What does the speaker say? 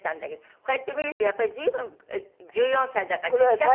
こうやって見るとやっぱり随分１４歳だからちっちゃく。